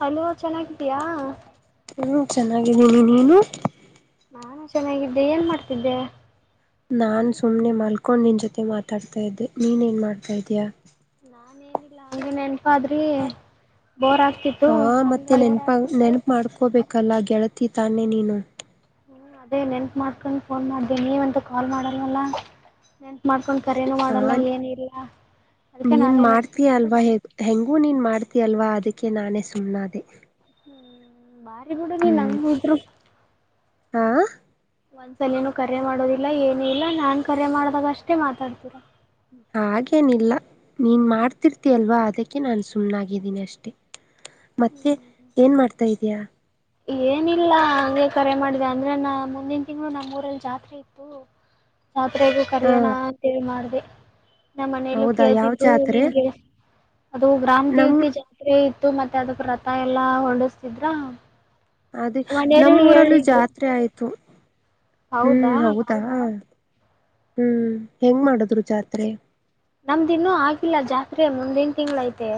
Hello ಚೆನ್ನಾಗಿದ್ದಿಯಾ? ಹ್ಞ ಚೆನ್ನಾಗಿದ್ದೀನಿ ನೀನು? ನಾನು ಚೆನ್ನಾಗಿದ್ದೆ ಏನ್ ಮಾಡ್ತಿದ್ದೆ? ನಾನ್ ಸುಮ್ನೆ ಮಲ್ಕೊಂಡ ನೀನ್ ಜೊತೆ ಮಾತಾಡ್ತಾ ಇದ್ದೆ. ನೀನ್ ಏನ್ ಮಾಡ್ತಾ ಇದೀಯಾ? ನಾನ್ ಏನಿಲ್ಲ ಹಂಗೇನೇ ಆದ್ರಿ ಬೋರ್ ಆಗ್ತಿತ್ತು ಹಾ ಮತ್ತೆ ಹಂಗಾಗಿ ನೆನ್ಪ ನೆನಪ ಮಾಡ್ಕೋಬೇಕಲ್ಲ ಗೆಳತಿ ತಾನೆ ನೀನು. ಹ ಅದೇ ನೆನಪ ಮಾಡ್ಕೊಂಡು ಫೋನ್ ಮಾಡದೆ. ನೀವಂತೂ ಕಾಲ್ ಮಾಡಲ್ಲವಲ್ಲ? ನೆನ್ಪ ಮಾಡ್ಕೊಂಡು. ಹಾ ಅದಕ್ಕೆ ನೀನ್ ನಾನೇ ನೆನ್ಪ ಮಾಡ್ತೀಯ ಅಲ್ವಾ ಹೇ ಹೆಂಗು ನೀನ್ ಮಾಡ್ತ ಅಲ್ವಾ ಅದಕ್ಕೆ ನಾನೇ ಸುಮ್ಮನಾದೆ. ಹ್ಮ್ ಬಾರಿ ಬಿಡು ನೀನ್ ನಂಗ ಹ್ಮ್ ಬಿಟ್ರು. ಹಾ ಒಂದ್ಸಲಿನೂ ಕರೆ ಮಾಡೋದಿಲ್ಲ ಏನು ಇಲ್ಲ ನಾನ್ ಕರೆ ಮಾಡ್ದಾಗ ಅಷ್ಟೇ ಮಾತಾಡ್ತೀರಾ ಹಾಗೇನಿಲ್ಲ ನೀನ್ ಮಾಡ್ತಿರ್ತಯ ಅಲ್ವಾ ಅದಕ್ಕೆ ನಾನು ಸುಮ್ನಾಗಿದ್ದೀನಿ ಅಷ್ಟೆ ಮತ್ತೆ ಏನ್ ಮಾಡ್ತಾ ಇದಯಾ ಏನಿಲ್ಲ ಹಗೆ ಕರೆ ಮಾಡಿದೆ ಅಂದ್ರೆ ನ ಮುಂದಿನ ತಿಂಗಳು ನಮ್ಮೂರಲ್ಲಿ ಜಾತ್ರೆ ಇತ್ತು ಪಾತ್ರೆಗೂ ಹಾ ಕರಯಾಣ ಅಂತೇಳಿ ಮಾಡಿದೆ ನಮ್ಮ ಮನೆಯಲ್ಲೂ ಹೌದಾ ಯಾವ ಕೇಳ್ತಿದ್ರು ಜಾತ್ರೆ ನಿನ್ಗೆ ಅದು ಗ್ರಾಮ್ ನಮ್ ದೇವ್ತೆ ಜಾತ್ರೆ ಟು ಮತ್ತೆ ಅದಕ್ಕೆ ರಥ ಎಲ್ಲ ಹೊಡಿಸ್ತಿದ್ರ ಅದೇ ನಮ್ಮೂರಲ್ಲೂ ಜಾತ್ರೆ ಆಯ್ತು ಹ್ಮ್ ಹೌದಾ ಹ್ಮ್ ಹೆಂಗ್ ಮಾಡದ್ರು ಜಾತ್ರೆ ನಮ್ದಿನ್ನೂ ಆಗಿಲ್ಲ ಜಾತ್ರೆ ಮುಂದೇನ್ ತಿಂಗಳ್ ಐತೆ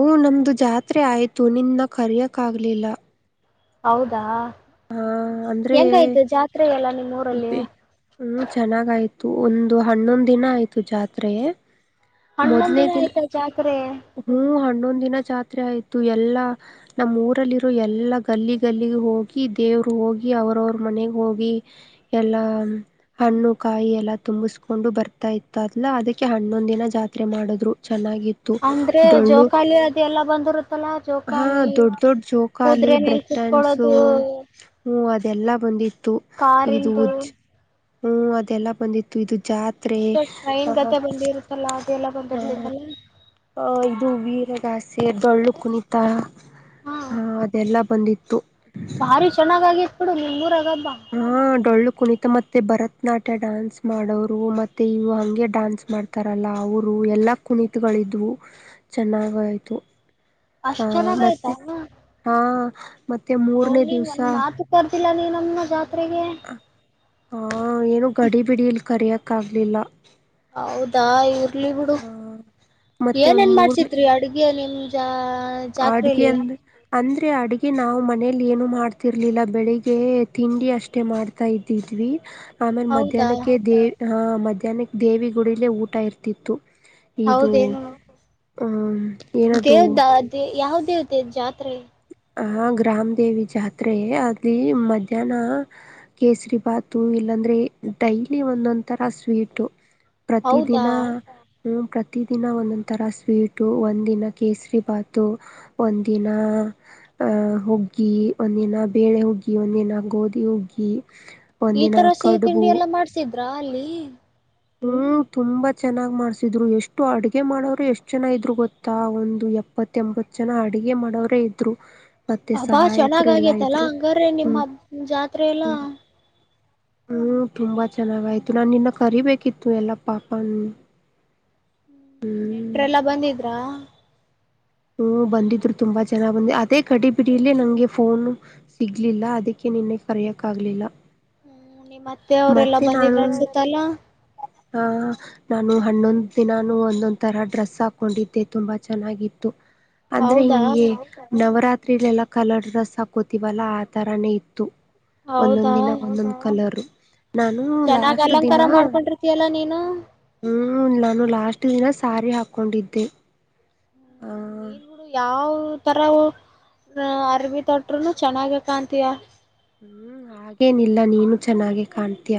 ಓ ನಮ್ದು ಜಾತ್ರೆ ಆಯ್ತು ನಿನ್ನ ಕರಯಕ್ಕ್ಲಿಲ್ಲ ಹೌದಾ ಹಾ ಅಂದ್ರೆ, ಹೆಂಗಾಯ್ತು ಜಾತ್ರೆ ಎಲ್ಲ ನಿಮ್ಮ ಊರಲ್ಲಿ ಬೆ ಹ್ಮ್ ಚೆನ್ನಾಗಯ್ತು ತು ಒಂದು ಹನ್ನೊಂದ್ ದಿನ ಆಯ್ತು ಜಾತ್ರೆ ಹಣ್ಣೊಂದ್ ದಿನ ಆಯ್ತಾ ಜಾತ್ರೆ ಹ್ಮ್ ಹ್ಣೊಂದ್ ದಿನ ಜಾತ್ರೆ ಆಯ್ತು ಎಲ್ಲಾ ನಮ್ಮ್ ಊರಲ್ಲಿರೋ ಎಲ್ಲಾ ಗಲ್ಲಿ ಗಲ್ಲಿಗೆ ಹೋಗಿ ದೇವರು ಹೋಗಿ ಅವ್ರವ್ರ ಮನೆಗ್ ಹೋಗಿ ಎಲ್ಲಾ, ಹಣ್ಣು ಕಾಯಿ ಎಲ್ಲ ತುಂಬಿಸ್ಕೊಂಡು ಬರ್ತಾ ಇತ್ತು ಅಲ ಅದಕ್ಕೆ ಹನ್ನೊಂದ್ ದಿನ ಜಾತ್ರೆ ಮಾಡದ್ರು ಚೆನ್ನಾಗಿತ್ತ್ ಅಂದ್ರೆ ಜೋಕಾಲಿ ಅದೆ ಎಲ್ಲಾ ಬಂದಿರುತ್ತಲ್ಲಾ ಹಾ ದೊಡ್ಡ್ ದೊಡ್ಡ್ ಜೋಕಾಲಿ ಮೇಲ್ ಬ್ರಕ್ಟ್ಯಾನ್ಸು ಕುತ್ಕೊಳ್ಳೋದು ಹು ಅದೆಲ್ಲಾ ಬಂದಿತ್ತು ಇದು ಕಾರಿಂದು ಉಜ ಹ್ಮ್ ಅದೆಲ್ಲ ಬಂದಿತ್ತು ಜಾತ್ರೆ ಮತ್ತೆ ಟ್ರೈನ್ ಹ ಗತೆ ಬಂದಿರುತ್ತಲ್ಲಾ ಅದೆಲ್ಲ ಬಂದಿರ್ತೇತಲ್ಲ ಅಹ ಇದು ವೀರಗಾಸೆ ಡೊಳ್ಳು ಕುಣಿತಾ ಹಾ ಅದೆಲ್ಲ ಬಂದಿತ್ತು ಭಾರಿ ಚೆನ್ನಾಗಾಗಿತ್ ಬಿಡು ನಿಮ್ಮೂರಾಗ ಹಬ್ಬ ಹಾ ಡೊಳ್ಳು ಕುಣಿತ ಮತ್ತು ಭರತ್ನಾಟ್ಯ ಡ್ಯಾನ್ಸ್ ಮಾಡೋರು ಮತ್ತೆ ಇವು ಹಾಗೆ ಡ್ಯಾನ್ಸ್ ಮಾಡ್ತಾರಲ್ಲ ಅವರು ಎಲ್ಲ ಕುಣಿತಗಳಿದ್ವು ಚೆನ್ನಾಗಯ್ತು ಹಾ ಅಷ್ಟ್ ಮತ್ತೆ ಹಾ ಮತ್ತೆ ನೋ ಮೂರನೇ ನೀನ್ ಒಂದ್ ದಿವ್ಸ ಮಾತು ಕರ್ದಿಲ್ಲಾ ನೀ ನಮ್ಮ ಜಾತ್ ಹಾ ಏನು ಗಡಿ ಬಿಡಿ ಇಲ್ ಕರಿಯಕ್ ಕಾಗಲಿಲ್ಲ. ಹೌದಾ ಇ ಬಿಡು ಮತ್ತೆ ಏನ ಒಂದ್ ಏನ್ ಮಾಡ್ಸಿದ್ರಿ ಅಡ್ಗೆಲ್ಲಿ? ಪಂಜಾ ಆಡುಗೆ ಅಂತ ಅಂದ್ರೆ ಅಡಗೆ ನಾವು ಮನೇಲಿ ಏನು ಮಾಡ್ತಿರ್ಲಿಲ್ಲ ಬೆಳಿಗ್ ತಿಂಡಿ ಅಷ್ಟೇ ಮಾಡ್ತಾ ಇದ್ದಿದ್ವಿ. ಆಮೇಲ್ ಹೌದಾ ಮಧ್ಯಾಹ್ನಕ್ಕೆ ದೇ ಹ ಮಧ್ಯಾಹ್ನಕ್ಕೆ ದೇವಿ ಗುಡಲ್ಲೇ ಊಟ ಇರ್ತಿತ್ತು. ಇದು ಹೌದೇನು ಹ್ಮ್ ಏನದು ದೇವ್ದ ಯಾವ್ದ? ತ್ತ ಜಾತ್ರೆ ಆ ಗ್ರಾಮ ದೇವಿ ಜಾತ್ರೆ ಅಲ್ಲಿ ಮಧ್ಯಾಹ್ನ ಕೇಸರಿಭಾತು ಇಲ್ಲಾಂದ್ರೆ ಡೈಲಿ ಒಂದೊಂಥರ ಸ್ವೀಟು. ಪ್ರತಿ ಹೌದಾ ದಿನ ಪ್ರತಿದಿನ ಒಂದೊಂದುಥರ ಸ್ವೀಟು ಒಂದಿನ ಕೇಸರಿಭಾತು ಒಂದಿನ ಅಹ ಹೂಗ್ಗಿ ಒಂದಿನ ಬೇಳೆ ಹುಗ್ಗಿ ಒಂದಿನ ಗೋಧಿ ಹುಗ್ಗಿ. ಈ ಒಂದಿನ ತರ ಸಿಹಿ ತಿಂಡಿ ಕಡುಬು ಎಲ್ಲ ಮಾಡ್ಸಿದ್ದ ರಾಲಿ ಹ್ಮ್ ತುಂಬಾ ಚೆನ್ನಾಗ್ ಮಾಡ್ಸಿದ್ರು. ಎಷ್ಟು ಅಡ್ಗೆ ಮಾಡೋರು ಎಷ್ಟ್ ಜನ ಇದ್ರು ಗೊತ್ತಾ? ಒಂದು ಎಪ್ಪತ್ತ ಎಂಬತ್ ಜನ ಅಡ್ಗೆ ಮಾಡೋವ್ರೇ ಇದ್ರು. ಮತ್ತೆ ಹಬ್ಬಾ ಸಹಾಯಕರು ಎಲ್ಲಾ ಚೆನ್ನಾಗಗೇತಲ್ಲಾ ಇದ್ರು ಹಂಗಾರೀ ನಿಮ್ಮ್ ಹ್ಮ್ ಹಬ್ ಜಾತ್ರೆ ಎಲ್ಲಾ? ಹ್ಮ್ ತುಂಬಾ ಚೆನ್ನಾಗಾಯ್ತು ನಾ ನಿನ್ನ ಕರಿಬೇಕಿತ್ತು ಎಲ್ಲ ಪಾಪ. ಹ್ಮ ನೆಂಟ್ರೆಲ್ಲಾ ಹ್ಮ್ ಬಂದಿದ್ರಾ? ಹ್ಮ್ ಬಂದಿದ್ರು ತುಂಬಾ ಜನ ಬಂದ ಅದೇ ಕಡಿ ಬಿಡಿಯಲ್ಲ ನಂಗೆ ಫೋನು ಸಿಗ್ಲಿಲ್ಲ ಅದಕ್ಕೆ ನಿನ್ನ ಕರೆಯಕ್ ಆಗ್ಲಿಲ್ಲ. ಹ್ಮ್ ನಿಮ್ಮ ಅತ್ತೆ ಅವ್ರಲ್ಲಾ ಬಂದಿದ್ರ ಅನ್ಸುತ್ತಲ್ಲ? ಹಹ ನಾನು ಹನ್ನೊಂದ್ ದಿನಾನು ಒಂದೊಂದ್ ತರ ಡ್ರೆಸ್ ಹಾಕೊಂಡಿದ್ದೆ ತುಂಬಾ ಚೆನ್ನಾಗಿತ್ತು. ತ್ತು. ಅಂದ್ರೆ ಹೌದಾ ಹಿಂಗೆ ನವರಾತ್ರಿ. ಲ್ ಎಲ್ಲ ಕಲರ್ ಡ್ರೆಸ್ ಹಾಕೋತೀವಲ್ಲ ಆ ಥರಾನೇ ಇತ್ತು. ಒಂದೊಂದ ದಿನ ಒಂದೊಂದ ಕಲರು. ನಾನು ಹ ಚೆನ್ನಾಗ್ ಲಾಸ್ಟ್ ದಿನ ಅಲಂಕಾರ ಮಾಡ್ಕೊಂಡಿರ್ತಿಯಲ್ಲ ನೀನು? ಹ್ಮ ನಾನು ಲಾಸ್ಟ್ ದಿನ ಸಾರಿ ಹಾಕೊಂಡಿದ್ದೆ. ಆ ನೀರುಗಳು ಯಾವ ಈ ತರ ಅರ್ಬಿ ತೊಟ್ರುೂನು ಚೆನ್ನಾಗ ಕಾಂತೀಯ. ಹ್ಮ್ ಹಾಗೇನಿಲ್ಲ ನೀನು ಚೆನ್ನಾಗೆ ಕಾಣ್ತೀಯ.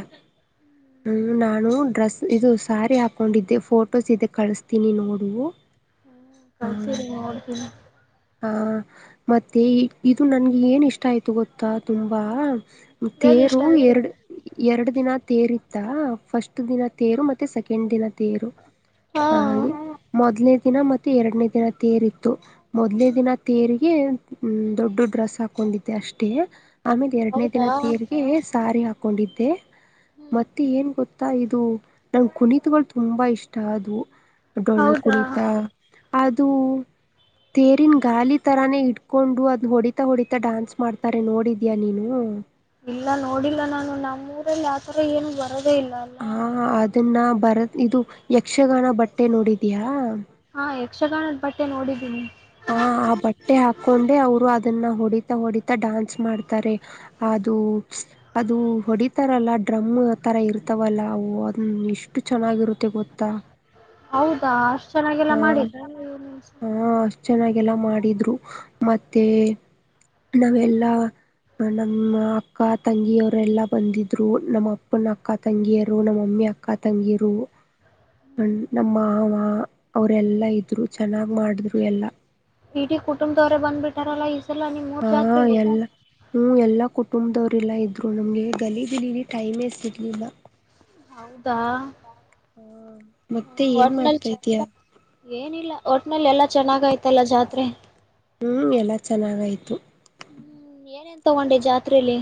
ಹ್ಮ ನಾನು ಡ್ರೆಸ್ ಇದು ಸ್ಯಾರಿ ಹಾಕೊಂಡಿದ್ದೆ ಫೋಟೋಸ್ ಇದೆ ಕಳಿಸತೀನಿ ನೋಡು. ಹಾ [unintelligible] ಹಾ ಮತ್ತೆ ಇದು ನನ್ಗೆ ಏನ್ ಇಷ್ಟ ಆಯ್ತು ಗೊತ್ತಾ? ತುಂಬಾ ಏನ್ ಇಷ್ಟ ತೇರು ಆಯ್ತು ಎರಡ ಎರಡು ದಿನ ತೇರ ಫಸ್ಟ್ ದಿನ ತೇರು ಮತ್ತೆ ಸೆಕೆಂಡ್ ದಿನ. ತೇರು ಹಾ ಹಾಗೆ ಮೊದ್ಲೇ ದಿನ್ ದಿನ ಮತ್ತೆ ಎರಡನೇ ದಿನ ತೇರಿತ್ತು. ಮೊದ್ಲೇ ದಿನ ತೇರಿಗೆ. ಹ್ಮ ದೊಡ್ಡ ಡ್ರೆಸ್ ಹಾಕೊಂಡಿದ್ದೆ ಅಷ್ಟೇ. ಆಮೇಲೆ ಎರಡನೇ ಹೌದಾ ದಿನ ತೀರ್ಗೆ ಸಾರಿ ಹಾಕೊ ಕೊಂಡಿದ್ದೆ ಹ್ಮ್ ಮತ್ತೆ ಏನ್ ಗೊತ್ತಾ ಇದು ನನ್ ಕುಣಿತುಗಳು ತುಂಬಾ ಇಷ್ಟ ಆದ್ವು. ಡೊಳ್ಳು ಹೌದಾ ಕುಣಿತ ಅ ದು ತೇರಿನ್ ಗಾಲಿ ತರಾನೇ ಇಟ್ಕೊಂಡು ಅದ್ ಹೊಡಿತಾ ಹೊಡಿತಾ ಡಾನ್ಸ್ ಮಾಡ್ತಾರೆ ನೋಡಿದ್ಯಾ ನೀನು? ಇಲ್ಲ ನೋಡಿಲ್ಲ ನಾನು ನಮ್ಮ್ ಊರಲ್ಲಿ ಆತರ ಏನು ಬ ಹಾ ಅದನ್ನ ಬರತ್ ಇದು ಯಕ್ಷಗಾನ ಬಟ್ಟೆ ನೋಡಿದ್ಯಾ ಹಾ ಯಕ್ಷಗಾನದ ಬಟ್ಟೆ ನೋಡಿದ [inaudible] ಹ ಆ ಬಟ್ಟೆ ಹಾಕೊಂಡೆ ಅವರು ಅದನ್ನ ಹೊಡಿತಾ ಹೊಡಿತ ಡಾನ್ಸ್ ಮಾಡ್ತಾರೆ. ಅದು ಅದು ಹೊಡಿತಾರಲ್ಲ ಡ್ರಮ್ ತರ ಇರ್ತವಲ್ಲ ಅವು ಅ ಇಷ್ಟ ಎಷ್ಟು ಚೆನ್ನಾಗಿರುತ್ತೆ ಗೊತ್ತಾ? ಹೌದಾ ಅಷ್ಟ್ ಹ ಚೆನ್ನಾಗೆಲ್ಲ ಮಾಡಿದ್ರ? ಹ ಅಷ್ಟ್ ಚೆನ್ನಾಗೆಲ್ಲ ಮಾಡಿದ್ರು. ಮತ್ತೆ ನಾವೆಲ್ಲಾ ನಮ್ಮ ಅಕ್ಕ ತಂಗಿಯವರು ಎಲ್ಲಾ ಬಂದಿದ್ರು. ನಮ್ಮ ಅಪ್ಪನ ಅಕ್ಕ ತಂಗಿಯರು ನಮ್ಮಮ್ಮಿ ಅಕ್ಕ ತಂಗಿಯರು. ಹ ನಮ್ಮ ಮಾವ ಅವ್ರೆಲ್ಲಾ ಇದ್ರು ಚೆನ್ನಾಗ್ ಮಾಡೂದ್ರು ಎಲ್ಲಾ. ಇಡೀ ಕುಟುಂಬದವ್ರೇ ಬಂದ್ಬ ಬಿಟ್ಟಾರಲ್ಲ ಇ ಹಾ ಎಲ್ಲ ಹ್ಮ ಎಲ್ಲಾ ಕುಟುಂಬದವ ಲ್ಲ ಇದ್ರು ನಮ್ಗೆ ಗಲಿಬಿಲಿಲಿ ಟೈಮೇ ಸಿಗ್ಲಿಲ್ಲ. ಹೌದಾ ಹಾ ಮತ್ತೆ ಏನ್ ಒಟ್ನಲ್ಲಿ ಮಾಡ್ತ ಇದೀಯಾ? ಏನಿಲ್ಲ ಒಟ್ನಲ್ಲಿ ಎಲ್ಲಾ ಚೆನ್ನಾಗಯ್ತಲ್ಲ ಜಾತ್ರೆ? ಹ್ಮ್ ಎಲ್ಲಾ ಚೆನ್ನಾಗಯ್ತು. ಏನೆನ್ ತಗೊಂಡೆ ಜಾತ್ರೆಲೀ?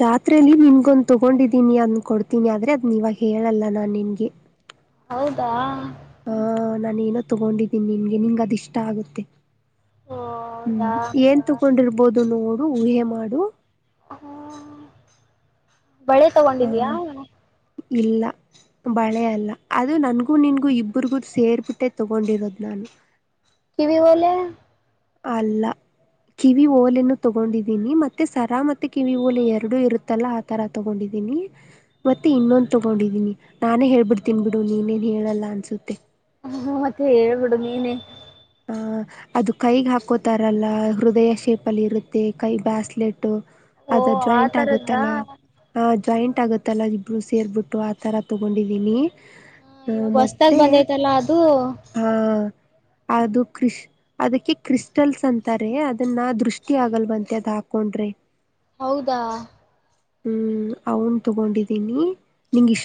ಜಾತ್ರೆಯಲ್ಲಿ ನಿನ್ಗೊಂದು ತಗೊಂಡಿದ್ದೀನಿ ಅದ ಕೊಡ್ತೀನಿ ಆದ್ರೆ ಅದನ ಇವಾಗ ಹೇಳಲ್ಲ ನಾ ನಿನ್ಗೆ. ಹೌದಾ ಹಾ ನಾನ ಏನೋ ತಗೊಂಡಿದ್ದೀನಿ ನಿಮಗೆ ನಿಂಗ ಅದ ಇಷ್ಟ ಆಗುತ್ತೆ. ಹೌದಾ ಹ್ಮ್ ಏನ್ ತಕೊಂಡಿರ್ಬೋದು? ನೋಡು ಊಹೆ ಮಾಡು. ಹ್ಮ ಬಳೆ ತಗೊಂಡಿದ್ಯಾ? ಇಲ್ಲ ಬಳೆ ಅಲ್ಲ ಅದು ನನ್ಗೂ ನನ್ಗೂ ಇಬ್ಬ್ರಗೂ ಸೇರ್ಬಿಟ್ಟೆ ತೊಗೊಂಡಿರೋದು ನಾನು ಕಿವಿ ಓಲೆ ಅಲ್ಲ ಕಿವಿ ಓಲೆನು ತಗೊಂಡಿದ್ದೀನಿ ಮತ್ತೆ ಸರಾ ಮತ್ತೆ ಕಿವಿ ಓಲೆ ಎರಡು ಇರುತ್ತಲ್ಲ ಆತರ ತಗೊಂಡಿದ್ದೀನಿ ಮತ್ತೆ ಇನ್ನೊಂದು ತಗೊಂಡಿದೀನಿ ನಾನೇ ಹೇಳ್ಬಿಡ್ ತಿನ್ಬಿಡು ನೀನೇನ್ ಹೇಳಲ್ಲ ಅನ್ಸುತ್ತೆ ಹ್ಮ ಮತ್ತೆ ಹೇಳ್ಬಿಡು ನೀನೇ ಆ ಅದು ಕೈಗೆ ಹಾಕೋತಾರಲ್ಲ ಹೃದಯ ಶೇಪ್ ಅಲ್ಲಿ ಇರುತ್ತೆ ಕೈ ಬಾಸ್ಲೆಟ್ ಟು ಓ ಅದು ಆ ಜಾಯಿಂಟ್ ತರದ್ದ ಆಗುತ್ತಲ ಹ ಆ ಜಾಯಿಂಟ್ ಟ್ಟಗುತ್ತಲ್ಲ ಇಬ್ರು ಸೇರ್ಬಿಟ್ಟು ಆತರ ತೊಗೊಂಡಿದೀನಿ ಹಾ ಇವಾಗ ಹೊಸದಾಗ ಬಂದೈತಲ್ಲ ಅದು ಆ ಅದು ಕ್ರಿಶ್ ಅದಕ್ಕೆ ಕ್ರಿಸ್ಟಲ್ಸ್ ಅಂತಾರೆ ಅದನ್ನಾ ದೃಷ್ಟಿ ಆಗಲ್ವಂತೆ ಅದ್ ಹಾಕೊಂಡ್ರೆ ಹೌದಾ ಹ್ಮ್ ಅವನ್ ತಗೊಂಡಿದ್ದೀನಿ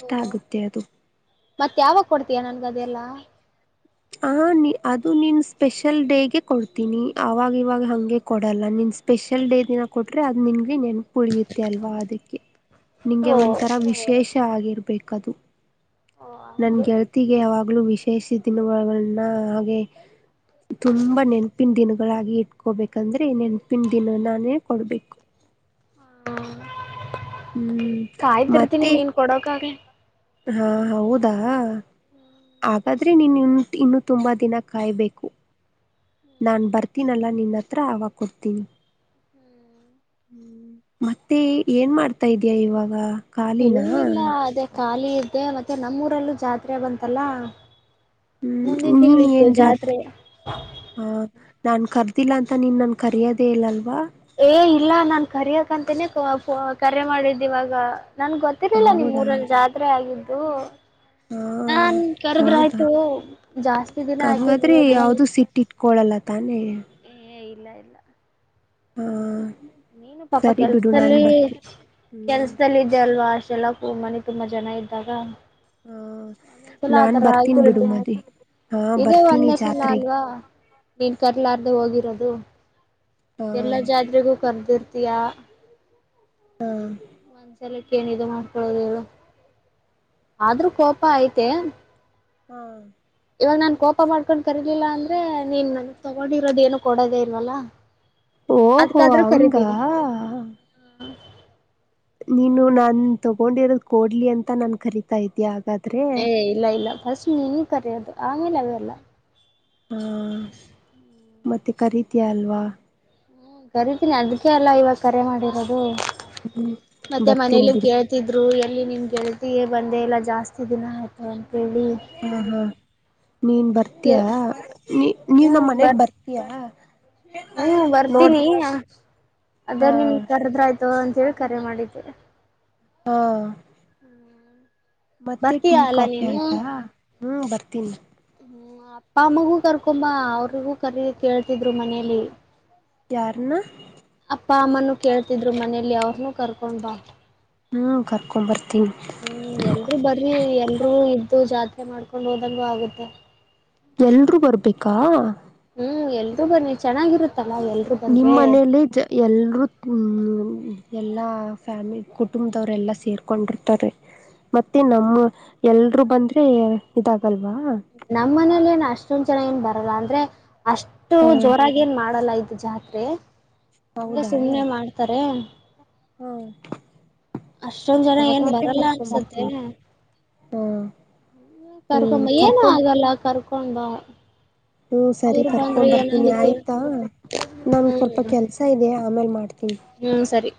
ಓ ಆಗುತ್ತೆ ಅದು ಮತ್ ಯಾವಾಗ ಕೊಡ್ತೀಯ ನನ್ಗದೆಲ್ಲ ಹಾ ನಿ ಅದು ನಿನ್ ಸ್ಪೆಷಲ್ ಡೇಗೆ ಕೊಡ್ತೀನಿ ಅವಾಗ ಇವಾಗ ಹಂಗೆ ಕೊಡಲ್ಲ ನಿನ್ ಸ್ಪೆಷಲ್ ಡೇ ದಿನ ಕೊಟ್ರೆ ಅದು ನಿಂಗೆ ನೆನಪ್ ಉಳಿಯುತ್ತೆ ಅಲ್ವಾ ಅದಕ್ಕೆ ನಿಂಗೆ ಓ ಒಂಥರ ವಿಶೇಷ ಆಗಿ ಬೇಕದು ಓ ನನ್ ಹಂಗೆ ಗೆಳತಿಗೆ ಯಾವಾಗ್ ಗ್ಲು ವಿಶೇಷ ದಿನಗಳನ್ನ ಹಾಗೆ ತುಂಬ ನೆನಪಿನ ದಿನ ಗಳಾಗಿ ಇಟ್ಕೋಬೇಕಂದ್ರೆ ನೆನಪಿನ ದಿನ ನಾನೇ ಕೊಡ್ಬೇಕು ಹಾ ಹ್ಮ್ ಕಾಯ್ತಿರ್ತೀನಿ ಮತ್ತೆ ನೀನ್ ಕೊಡೋಕಾದ್ರೆ ಹಾ ಹೌದಾ ಹಾಗಾದ್ರೆ ನೀನು ಇನ್ ಇನ್ನು ತುಂಬ ದಿನ ಕಾಯ್ಬೇಕು ನಾನ್ ಬರ್ತೀನಲ್ಲಾ ನಿನ್ನ ಹತ್ರ ಅವಾಗ ಕೊಡ್ತೀನಿ ಹ್ಮ್ ಮತ್ತೆ ಏನ್ ಮಾಡ್ತಾ ಇದ್ಯಾ ಇವಾಗ ಕಾಲಿನಾ ಏನಿಲ್ಲ ಅದೇ ಖಾಲಿ ಇದ್ದೆ ಮತ್ತೆ ನಮ್ಮೂರಲ್ಲೂ ಜಾತ್ರೆ ಬಂತಲ್ಲ ಮುಂದಿನ ಹ್ಮ್ ತಿಂಗಳ ನೀನ್ ಇತ್ತು ಏನ್ ಜಾತ್ ಜಾತ್ರೆ ಹ ನಾನ್ ಕಾರ್ ಗೊತ್ತಿಲ್ಲ ಅಂತ ನೀನ್ ನನ್ ಕರಿಯದೆ ಇಲ್ಲ ಅಲ್ವಾ ಏ ಇಲ್ಲ ನನ್ ಕರಿದಾಗ್ ಯಾಕಂತನೆ ಕರೆ ಕೋ ಕೋ ಮಾಡಿದ್ ಇವಾಗ ನನ್ಗೆ ಗೊತ್ತಿರಲಿಲ್ಲ ನಿಮ್ ಹೌದಾ ಊರಲ್ಲಿ ಜಾತ್ರೆ ಆಗಿದ್ದು ಹೂ ಹಾ ನಾನ್ ಕರೆಧ್ರೆ ಹೌದಾ ಆಯ್ತು ಜಾಸ್ತಿ ದಿನ ಆಯ್ತು ಹಂಗಾದ್ರೆ ನೋಡಿ ಯಾವ್ದು ಸಿಟ್ ಇಟ್ಕೊಳಲ್ಲ ತಾನೇ ಇಲ್ಲ ಇಲ್ಲ ಹಾ ನೀನು ಪಾಪ ಸರಿ ಬಿಡು ನಾನ್ ಕೆಲ್ಸದಲ್ಲಿ ಬರ್ತಿ ಹ್ಮ್ ಕೆಲ್ಸದಲ್ಲಿ ಇದ್ದೆ ಅಲ್ವಾ ಅಸ್ಟ ಏಲಕ್ಕೂ ಮನೆ ತುಂಬಾ ಜನ ಇದ್ದಾಗ. ಹಾ ಒಂದೊಂದ್ಸಲ ನಾನ್ ಆತರ ಬರ್ತೀನ್ ಬಿಡು ಆಯತಿರೋದು ಮದಿ ಹಾ ಇದೆ ಬರ್ತೀನಿ ಒನ್ನೇ ಸಲ ಜಾತ್ರೆಗೆ ಅಲ್ವಾ ನೀನ್ ಕರಿಲಾರದೆ ಹೋಗಿರೋದು. ಹಾ ಎಲ್ಲಾ ಜಾತ್ರೆಗೂ. ಕರೆದಿರ್ತೀಯಾ ಒನ್ಸಾಲ ಏನ್ ಇದು ಮಾಡ್ಕೊಳ್ಳೋದು ಹೇಳು ಆದ್ರೂ ಕೋಪ ಐತೆ. ಹಾ ಇವಾಗ ನಾನ್ ಕೋಪ ಮಾಡ್ಕೊಂಡು ಕರೀಲಿಲ್ಲ ಅಂದ್ರೆ ನೀನ್ ನನ್ಗ್ ತಗೊಂಡಿರೋದು ಏನು ಕೊಡೋದೇ ಇಲ್ವಲ್ಲ. ಓಹೋ ಅದ್ಕಾದ್ರೂ ಹಂಗಾ ಕರಿತೀನಿ ನೀನು ನಾನ್ ತಗೊಂಡಿರೋದ ಕೊಡ್ಲಿ ಅಂತ ನನ್ ಕರಿತಾ ಇದಿಯಾ? ಏ ಇಲ್ಲ ಇಲ್ಲ ಫಸ್ಟ್ ನೀನ ಕರೆಯೋದು. ಅಂಗೇ ಅವೆಲ್ಲಾ ಹಮ್ ಮತ್ತೆ ಖರೀತೀಯಾ ಅಲ್ವಾ.? ಹ್ಮ್ಮ ಕರೀತೀನಿ ಅದಕ್ಕೆ ಅಲ್ ಇವಾಗ ಕರೆ ಮಾಡಿರೋದು. ಮತ್ತೆ ಬರ್ತೀನ್ ಮನೇಲಿ ಬಿಡು ಕೇಳ್ತಿದ್ರು ಏನ್ ಅಲ್ಲಿ ನಿಮ್ಮ ಗೆಳತಿಗೆ ಬಂದೇ ಇಲ್ಲ ಜಾಸ್ತಿ ದಿನ ಆಯ್ತು. ಅಂತೇಳಿ ಹಾ ಹಾ ನೀನ್ ಬರ್ತೀಯ? ನೀ ನೀ ನಮ್ಮ ಮನೆಗೆ ಬರ್ತೀಯ? ಹ ಬರ್ತೀನಿ ಅದ್ರ ಹಾ ನಿಮಗೆ ಕರ್ದ್ರೆದ್ರಾಯಿತು ಅಂತ ಏಳ್ ಕರೆ ಮಾಡಿದ್ದು. ಹಾ ಮತ್ತೆ ಬರ್ತೀಯ ಟೀ ಅಲ್ಲ ಕಾಫಿ ನೀನು ಆಯ್ತಾ ಹ್ಮ್ ಬರ್ತೀನಿ. ಹ್ಮ ಅಪ್ಪ ಅಮ್ಮಗೂ ಕರ್ಕೊಂಡ್ ಬಾ. ಅವರಿಗೂ ಕೇಳ್ತಿದ್ರು ಮನೇಲಿ. ಯಾರ್ನ [inaudible] ಅಪ್ಪ ಅಮ್ಮನು ಕೇಳ್ತಿದ್ರು ಮನೆಲಿ ಅವ್ರನು ಕರ್ಕೊಂಡ್ ಬಾ. ಹ್ಮ ಕರ್ಕೊ್ ಬರ್ತಿ ಹ್ಮ್ ಯಲ್ರು ಬರ್ರಿ ಯಲ್ರು ಇದ್ದು ಜಾತ್ರಿ ಮಾಡ್ಕೊಂಡ ಹೋದಂಗೂ ಆಗುತ್ತೆ. ಯಲ್ರು ಬರ್ಬೇಕಾ? ಹ್ಮ್ ಯಲ್ರೂ ಬನ್ನಿ ಚನ್ನಾಗಿರುತ್ತೆ. ನಿಮ್ಮ್ ಮನೇಲ್ಲ ಜ ಎಲ್ರೂ ಹ್ಮ್ ಯಲ್ಲ ಫ್ಯಾಮಿಲಿ ಕುಟುಂಬದವರೆಲ್ಲ ಸೇರ್ಕೊಂಡಿರ್ತಾರೆ. ಮತ್ತೆ ನಮ್ಮ ಯಲ್ ಲ್ರೂ ಬಂದ್ರೆ ಇದಾಗಲ್ವಾ? ನಮ್ಮ್ ಮನೇಲಿ ಏನ್ ಅಷ್ಟೊಂದ್ ಜನ ಏನ್ ಬರಲ್ಲ ಅಂದ್ರೆ. ಅಷ್ಟು ಹ ಜೋರಾಗಿ ಏನ್ ಮಾಡಲ್ಲ ಇದು ಜಾತ್ರೆ ಹಂಗೆ ಹೌದಾ ಸುಮ್ಮ್ನೆ ಮಾಡ್ತಾರೆ. ಹಾ ಅಷ್ಟೊಂದ್ ಜನ ಏನ್ ಭಗ್ವಾತಿನ ಬರಲ್ಲ ಕರ್ಕೊಂಡು ಅನ್ಸತ್ತೆ ಬರ್ತೀನಿ ಹ್ಮ್ ಕರ್ಕೊ ಬಾ ಏನು ಆಗಲ್ಲ ಕರ್ಕೊ ಕೊಂಡ್ ಬಾ ಹ್ಮ ಸರಿ ಅವ್ರು ಬಂದ್ರೆ ಕರ್ಕೊಂಡ್ ಬರ್ತೀನಿ ಏನಾಗುತ್ತೆ ಆಯ್ತಾ ನನ್ ಸ್ವಲ್ಪ ಹ್ಮ್ ಹ್ಮ್ ಸರಿ.